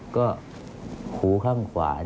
ก็หูข้างขวา